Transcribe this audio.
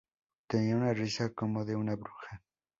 Tenía una risa como de una bruja.